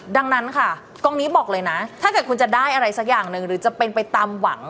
ดังนั้นค่ะกองนี้บอกเลยนะถ้าเกิดคุณจะได้อะไรสักอย่างหนึ่งหรือจะเป็นไปตามหวัง